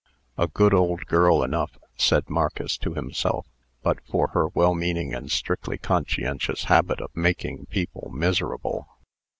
"A good old girl enough," said Marcus to himself, "but for her well meaning and strictly conscientious habit of making people miserable."